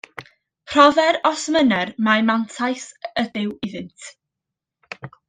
Profer, os mynner, mai mantais ydyw iddynt.